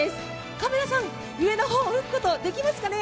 カメラさん、上の方、映すことできますかね？